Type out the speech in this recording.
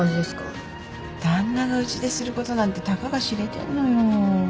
旦那がうちですることなんて高が知れてんのよ